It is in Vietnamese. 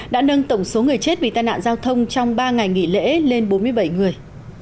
đã nâng tổng số người chết vì tai nạn giao thông trong ba ngày nghỉ lễ lên bốn mươi bảy người